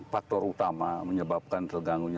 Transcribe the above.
faktor utama menyebabkan terganggu